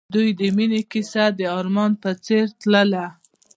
د دوی د مینې کیسه د آرمان په څېر تلله.